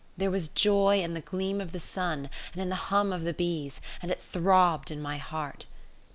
There was joy in the gleam of the sun and in the hum of the bees, and it throbbed in my heart.